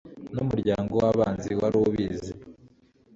n'umuryango w'abanzi wari ubizi